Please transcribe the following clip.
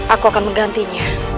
aku akan menggantinya